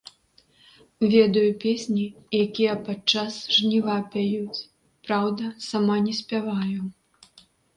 Ведаю песні, якія падчас жніва пяюць, праўда, сама не спяваю.